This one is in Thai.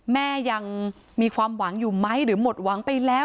แม่ยังมีความหวังอยู่ไหมหรือหมดหวังไปแล้ว